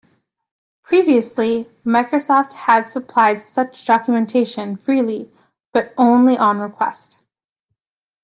Previously, Microsoft had supplied such documentation freely but only on request.